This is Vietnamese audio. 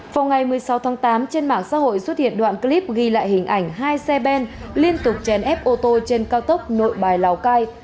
vào ngày một mươi sáu tháng tám trên mạng xã hội xuất hiện đoạn clip ghi lại hình ảnh hai xe ben liên tục chèn ép ô tô trên cao tốc nội bài lào cai